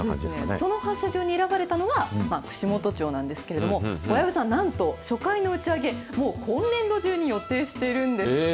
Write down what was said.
その発射場に選ばれたのが串本町なんですけれども、小籔さん、なんと初回の打ち上げ、もう今年度中に予定しているんですって。